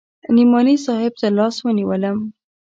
نعماني صاحب تر لاس ونيولم.